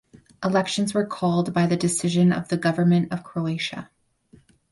Elections were called by the decision of the Government of Croatia.